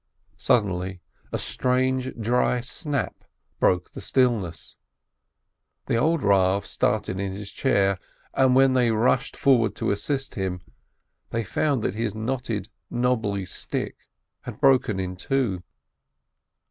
Suddenly a strange, dry snap broke the stillness, the old Rav started in his chair, and when they rushed forward to assist him, they found that his knotted, knobbly stick had broken in two.